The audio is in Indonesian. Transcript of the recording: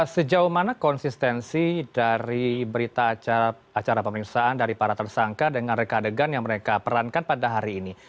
sejauh mana konsistensi dari berita acara pemeriksaan dari para tersangka dengan reka adegan yang mereka perankan pada hari ini